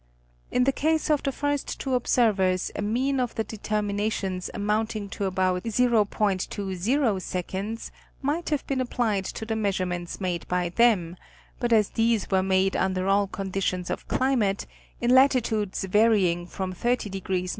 In the case of the first two observers a mean of the determinations amounting to about 0°.20 might have been applied to the measurements made by them, but as these were made under all conditions of climate, in latitudes varying from 30° N.